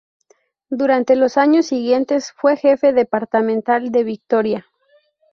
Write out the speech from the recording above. Durante los años siguientes fue jefe departamental de Victoria.